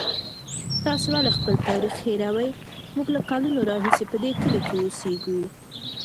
تاسې ولې خپل تاریخ هېروئ؟ موږ له کلونو راهیسې په دې کلي کې اوسېږو.